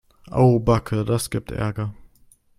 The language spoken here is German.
Au backe, das gibt Ärger.